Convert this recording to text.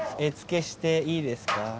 絵付けしていいですか？